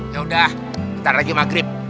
yaudah ntar lagi maghrib